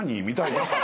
みたいな。